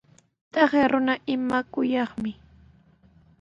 Taqay runa imaykayuqmi.